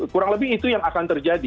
kurang lebih itu yang akan terjadi